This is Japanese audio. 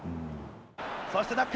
そして！